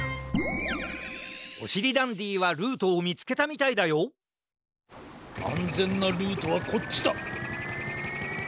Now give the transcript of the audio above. おしりダンディはルートをみつけたみたいだよあんぜんなルートはこっちだ！